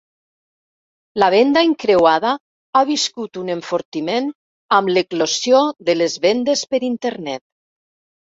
La venda encreuada ha viscut un enfortiment amb l'eclosió de les vendes per internet.